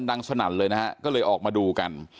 สนั่นเลยนะฮะก็เลยออกมาดูกัน